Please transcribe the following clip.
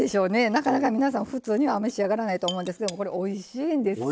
なかなか皆さん普通には召し上がらないと思うんですけどもこれおいしいんですから。